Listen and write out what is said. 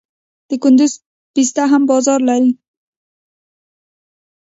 د کندز پسته هم بازار لري.